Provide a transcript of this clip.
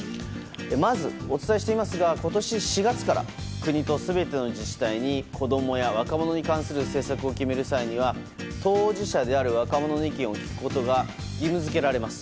まず、お伝えしていますが今年４月から国と全ての自治体に子供や若者に関する政策を決める際には当事者である若者の意見を聞くことが義務付けられます。